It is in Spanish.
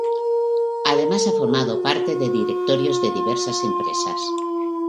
Además, ha formado parte de directorios de diversas empresas.